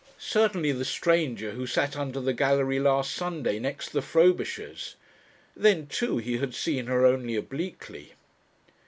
Certainly the stranger who sat under the gallery last Sunday next the Frobishers. Then, too, he had seen her only obliquely....